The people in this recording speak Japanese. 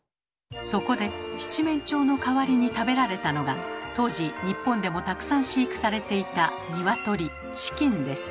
そこで七面鳥の代わりに食べられたのが当時日本でもたくさん飼育されていた鶏チキンです。